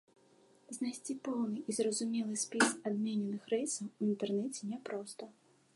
Знайсці поўны і зразумелы спіс адмененых рэйсаў у інтэрнэце няпроста.